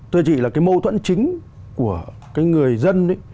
tôi chỉ là cái mâu thuẫn chính của cái người dân